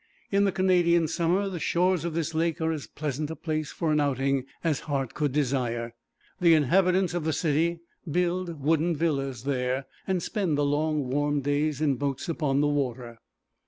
In the Canadian summer the shores of this lake are as pleasant a place for an outing as heart could desire. The inhabitants of the city build wooden villas there, and spend the long warm days in boats upon the water.